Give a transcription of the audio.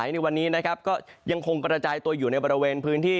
ในวันนี้นะครับก็ยังคงกระจายตัวอยู่ในบริเวณพื้นที่